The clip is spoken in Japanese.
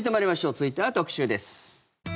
続いては特集です。